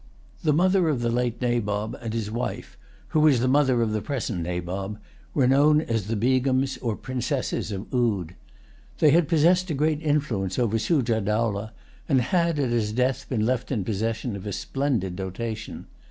The mother of the late Nabob, and his wife, who was the mother of the present Nabob, were known as the Begums or Princesses of Oude. They had possessed great influence over Sujah Dowlah, and had, at his death, been left in possession of a splendid dotation.